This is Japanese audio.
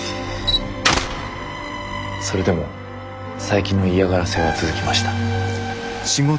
それでも佐伯の嫌がらせは続きました。